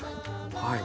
はい。